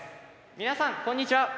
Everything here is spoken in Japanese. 皆さんこんにちは。